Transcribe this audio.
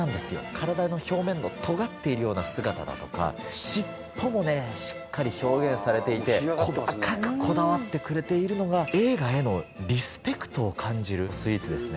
体の表面のとがっているような姿だとか尻尾もしっかり表現されていて細かくこだわってくれているのが。を感じるスイーツですね。